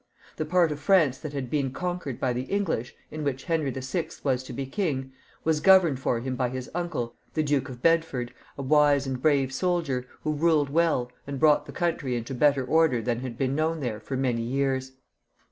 The part of France that had been conquered by the English, in which Henry VI. was to be king was governed for him by his uncle, the Duke of Bedford, a wise and brave soldier, who ruled well, and brought the country into better order than had been known there for many years.